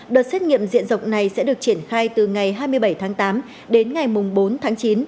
đợt xét nghiệm diện rộng này sẽ được triển khai từ ngày hai mươi bảy tháng tám đến ngày bốn tháng chín